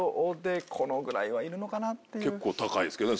結構高いですけどね